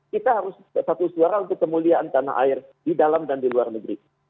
kita harus satu suara untuk kemuliaan tanah air di dalam dan di luar negeri